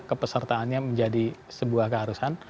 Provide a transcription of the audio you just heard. kepesertaannya menjadi sebuah keharusan